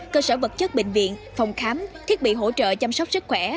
cơ sở vật chất bệnh viện phòng khám thiết bị hỗ trợ chăm sóc sức khỏe